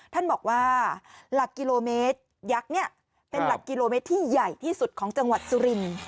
ท่านบอกว่าหลักกิโลเมตรยักษ์เนี่ยเป็นหลักกิโลเมตรที่ใหญ่ที่สุดของจังหวัดสุรินทร์